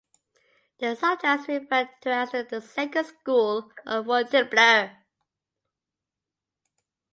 They are sometimes referred to as the "second school of Fontainebleau".